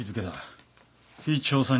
「被調査人。